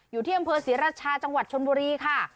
อยู่ที่อำเภอศรีราชาจังหวัดชนบุรีค่ะ